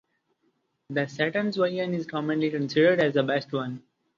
The Saturn's version is commonly considered as the best one.